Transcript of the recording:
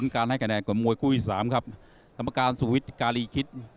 กรรมการสูวิทย์การีคิด